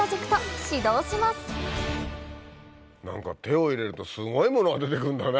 何か手を入れるとすごいものが出て来るんだね